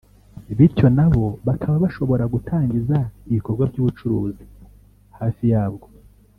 bityo nabo bakaba bashobora gutangiza ibikorwa by’ubucuruzi hafi yabwo